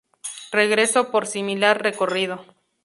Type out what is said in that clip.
Regreso por similar recorrido.